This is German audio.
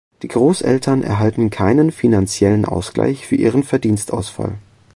Die Großeltern erhalten keinen finanziellen Ausgleich für ihren Verdienstausfall.